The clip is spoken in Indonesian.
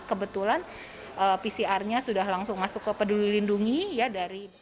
kebetulan pcr nya sudah langsung masuk ke peduli lindungi ya dari